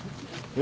え？